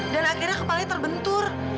dan akhirnya kepalanya terbentur